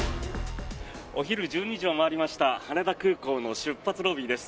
お昼１２時を回りました羽田空港の出発ロビーです。